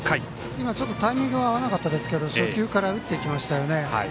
今、ちょっとタイミング合わなかったですが初球から打っていきましたよね。